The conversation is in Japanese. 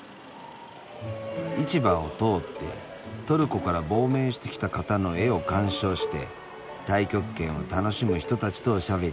市場を通ってトルコから亡命してきた方の絵を鑑賞して太極拳を楽しむ人たちとおしゃべり。